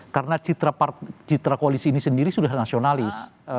karena citra koalisi ini sendiri sudah nasionalis